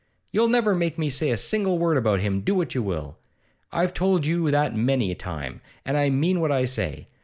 You'll never make me say a single word about him, do what you will; I've told you that many a time, and I mean what I say.